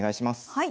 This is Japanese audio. はい！